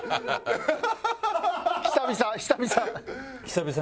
久々。